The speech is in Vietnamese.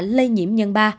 lây nhiễm omicron